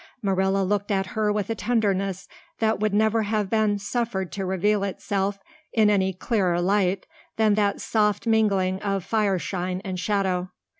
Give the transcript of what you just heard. Marilla looked at her with a tenderness that would never have been suffered to reveal itself in any clearer light than that soft mingling of fireshine and shadow.